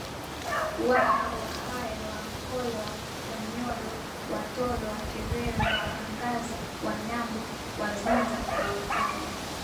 Waha Wahaya Wanyankole Wanyoro Watoro Wakerewe Wahangaza Wanyambo Wazinza na Wakara